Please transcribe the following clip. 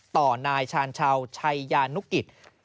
ต่อนายชาญชาวชัยยานุกิจ